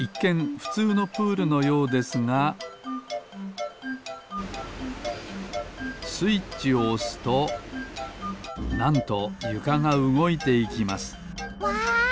ふつうのプールのようですがスイッチをおすとなんとゆかがうごいていきますわ！